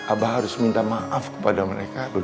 abah harus minta maaf kepada mereka